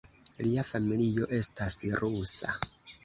Lia familio estas rusa.